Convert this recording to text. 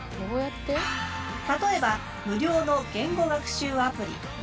例えば無料の言語学習アプリ。